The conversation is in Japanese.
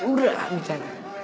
みたいな。